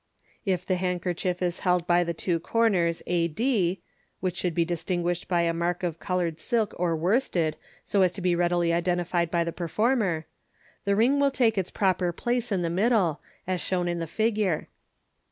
If the handkerchief is held by the two corners a d (which should be dis tinguished by a mark of coloured silk or worsted, so as to be readily identified by the per former) the ring will take its proper place in the middle, as shown in the figure.